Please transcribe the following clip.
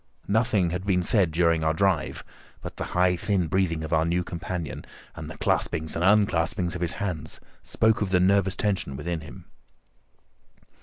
Nothing had been said during our drive, but the high, thin breathing of our new companion, and the claspings and unclaspings of his hands, spoke of the nervous tension within him.